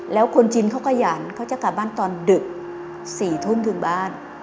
แล้วคนจีนเขาขยันเขาจะกลับบ้านตอนดึก๔ทุ่มถึงบ้าน